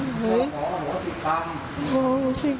ตรงนี้บอกลูกลงจากลวดน่ารูกน้า